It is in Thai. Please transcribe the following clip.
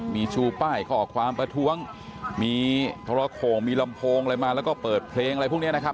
มีชูป้ายเขาออกความประท้วงมีทฤโคงมีลำโพงแล้วก็เปิดเพลงพวกเนี่ยนะครับ